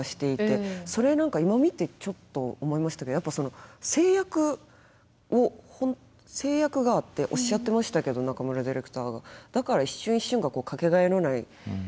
それ何か今見てちょっと思いましたけどやっぱ制約を制約があっておっしゃってましたけど中村ディレクターがだから一瞬一瞬が掛けがえのない場面になるんだっていう。